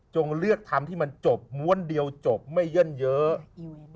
เลือกทำที่มันจบม้วนเดียวจบไม่เย่นเยอะ